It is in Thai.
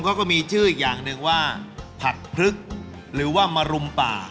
เขาก็มีชื่ออีกอย่างหนึ่งว่าผักพลึกหรือว่ามารุมป่า